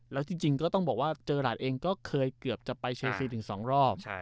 แล้วจริงก็ต้องบอกว่าเจอราชเองก็เคยเกือบจะไปเชลซีถึง๒รอบ